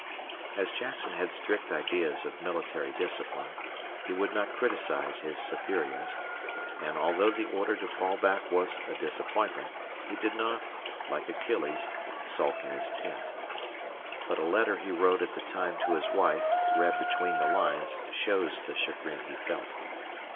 As Jackson had strict ideas of military discipline, he would not criticise his superiors, and, although the order to fall back was a disappointment, he did not, like Achilles, sulk in his tent. But a letter he wrote at the time to his wife, read between the lines, shows the chagrin he felt.